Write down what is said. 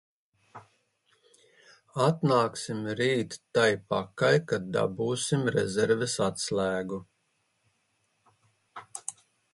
Atnāksim rīt tai pakaļ, kad dabūsim rezerves atslēgu!